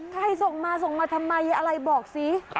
ใครส่งมาทำไมอะไรบอกสิ